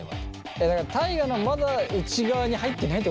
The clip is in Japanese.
いやだから大我のはまだ内側に入ってないってことなんじゃない？